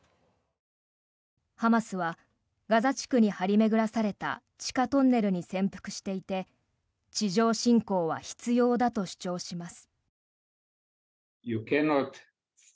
ハマスはガザ地区に張り巡らされた地下トンネルに潜伏していて地上侵攻は必要だと主張します。